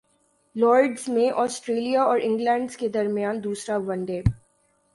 Lords میں Australia اور England کے درمیان دوسرا ون ڈے